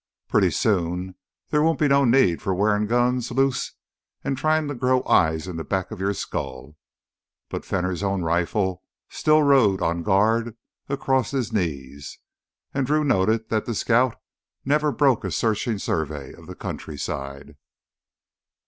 Pretty soon there won't be no need for wearin' guns loose an' tryin' to grow eyes in th' back of yore skull!" But Fenner's own rifle still rode on guard across his knees, and Drew noted that the scout never broke a searching survey of the countryside.